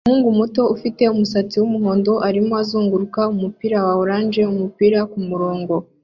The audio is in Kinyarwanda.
Umuhungu muto ufite umusatsi wumuhondo arimo azunguruka umupira wa orange umupira kumurongo